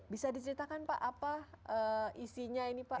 bisa diceritakan pak apa isinya ini pak